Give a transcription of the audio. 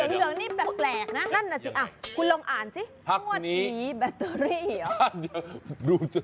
เหลืองนี่แปลกนะนั่นน่ะสิคุณลองอ่านสิงวดนี้แบตเตอรี่เหรอ